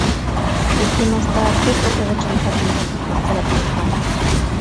ئىلتىماستا تۆت ئوقۇغۇچىنى تەربىيەلەپ بېرىش تەلەپ قىلىنغان.